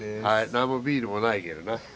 何もビールもないけどな。